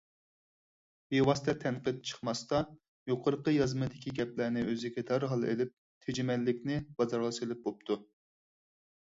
بىۋاسىتە تەنقىد چىقماستا يۇقىرىقى يازمىدىكى گەپلەرنى ئۆزىگە دەرھال ئېلىپ تېجىمەللىكىنى بازارغا سېلىپ بوپتۇ.